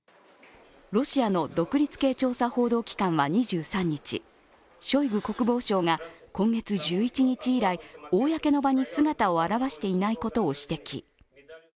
ロシアの独立系調査報道機関は２３日、ショイグ国防相が今月１１日以来公の場に姿を現していないことを指摘。